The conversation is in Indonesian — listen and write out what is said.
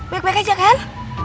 baik baik aja kan